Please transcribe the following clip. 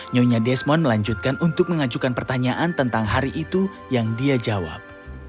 nyonya desmond melanjutkan untuk mengajukan pertanyaan tentang hari itu yang dia jawab